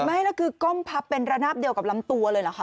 ไม่แล้วคือก้มพับเป็นระนาบเดียวกับลำตัวเลยเหรอคะ